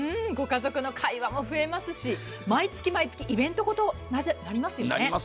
ご家族の会話も増えますし、毎月毎月イベントごとになりますよね。